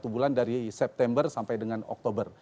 satu bulan dari september sampai dengan oktober